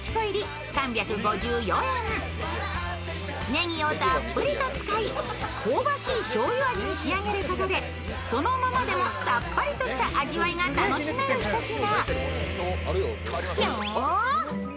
ねぎをたっぷりと使い香ばしいしょうゆ味に仕上げることでそのままでもさっぱりとした味わいが楽しめるひと品。